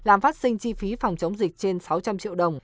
làm phát sinh chi phí phòng chống dịch trên sáu trăm linh triệu đồng